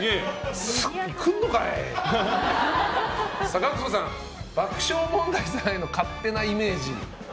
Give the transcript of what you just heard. ＧＡＣＫＴさん爆笑問題さんへの勝手なイメージ。